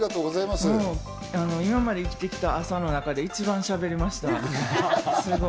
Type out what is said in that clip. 今まで生きてきた朝の中で一番喋りました。